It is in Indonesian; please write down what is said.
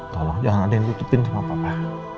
tolong jangan ada yang tutupin sama papa